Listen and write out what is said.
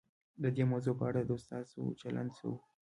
د دې موضوع په اړه د استازو چلند څه و؟